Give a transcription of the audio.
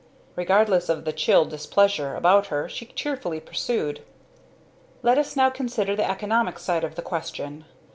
Regardless of the chill displeasure about her she cheerfully pursued: "Let us now consider the economic side of the question.